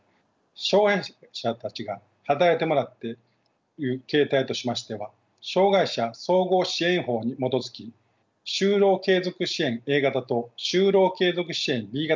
障害者たちが働いてもらってという形態としましては障害者総合支援法に基づき就労継続支援Ａ型と就労継続支援Ｂ型があります。